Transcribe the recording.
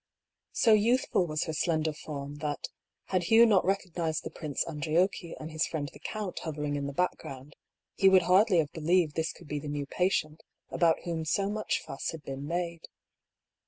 So youthful was her slender form that, had Hugh not recognized the Prince Andriocchi and his friend the count hovering in the background, he would hardly have believed this could be the new pa tient about whom so much fuss had been made.